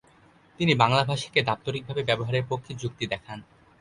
তিনি বাংলা ভাষাকে দাপ্তরিকভাবে ব্যবহারের পক্ষে যুক্তি দেখান।